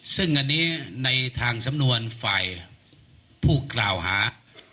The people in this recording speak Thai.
ซึ่งอันนี้ในทางสำนวนฝ่ายผู้กล่าวหา